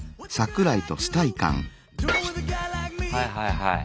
はいはいはい。